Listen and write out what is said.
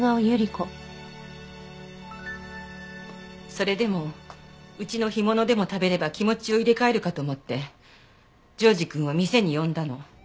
それでもうちの干物でも食べれば気持ちを入れ替えるかと思って譲士くんを店に呼んだの。